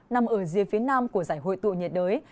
nằm ở dưới phía nam của giải hội tụ nhiệt đới